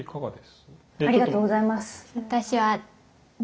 ありがとうございます。